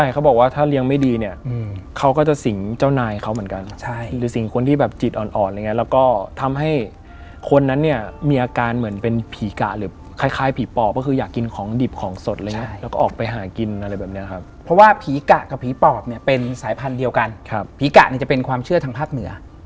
เขาจะเจอเหมือนเป็นดวงไฟสีออกแดงส้ม